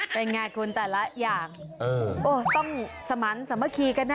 เป็นไงคุณแต่ละอย่างโอ้ต้องสมันสามัคคีกันนะ